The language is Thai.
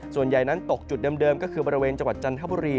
ส่วนใหญ่นั้นตกจุดเดิมก็คือบริเวณจังหวัดจันทบุรี